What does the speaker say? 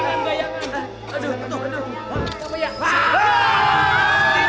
kemperedahan orang itu